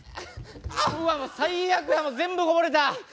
うわもう最悪やもう全部こぼれた。